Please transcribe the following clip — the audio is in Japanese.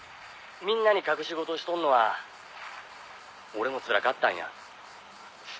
「みんなに隠し事しとんのは俺もつらかったんや」